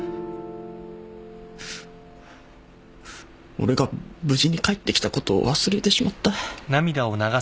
俺が無事に帰ってきたことを忘れてしまった。